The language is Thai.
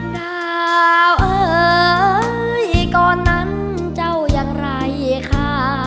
ดาวเอ่ยก่อนนั้นเจ้าอย่างไรค่ะ